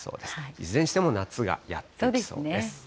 いずれにしても夏がやって来そうです。